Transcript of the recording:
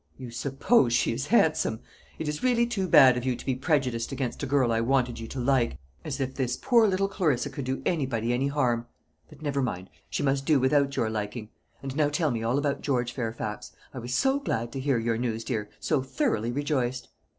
"You suppose she is handsome! It is really too bad of you to be prejudiced against a girl I wanted you to like. As if this poor little Clarissa could do anybody any harm! But never mind, she must do without your liking. And now tell me all about George Fairfax. I was so glad to hear your news, dear, so thoroughly rejoiced."